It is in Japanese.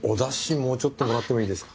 もうちょっともらってもいいですか？